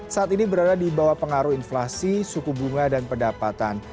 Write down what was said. saat ini berada di bawah pengaruh inflasi suku bunga dan pendapatan